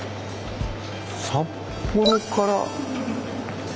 札幌から。